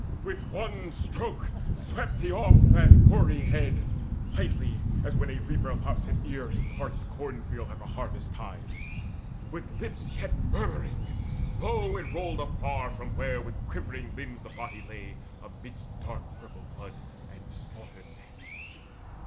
With one stroke swept he off that hoary head Lightly as when a reaper lops an ear In a parched cornfield at the harvest tide. With lips yet murmuring low it rolled afar From where with quivering limbs the body lay Amidst dark purple blood and slaughtered men.